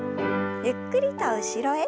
ゆっくりと後ろへ。